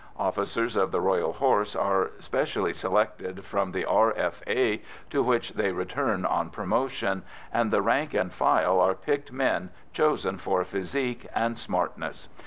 Officers of the Royal Horse are specially selected from the R.F.A., to which they return on promotion, and the rank and file are picked men, chosen for physique and smartness.